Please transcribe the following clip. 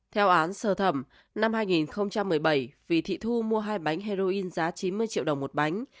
theo án sơ thẩm năm hai nghìn một mươi bảy vì thị thu mua hai bánh heroin giá chín mươi triệu đồng một bánh